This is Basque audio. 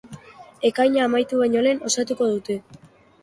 Ekaina amaitu baino lehen osatuko dute.